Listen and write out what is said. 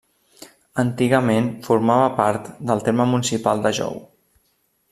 Antigament formava part del terme municipal de Jou.